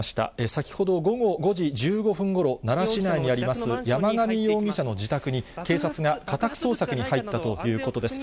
先ほど午後５時１５分ごろ、奈良市内にあります山上容疑者の自宅に、警察が家宅捜索に入ったということです。